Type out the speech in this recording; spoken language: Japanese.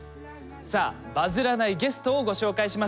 さあバズらないゲストをご紹介しましょう。